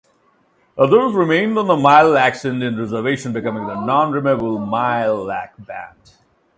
Others remained on the Mille Lacs Indian Reservation, becoming the Non-removable Mille Lacs Band.